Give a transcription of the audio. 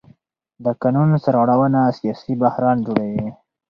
د قانون سرغړونه سیاسي بحران جوړوي